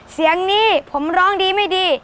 เสียงนี้ผมร้องดีไม่ดี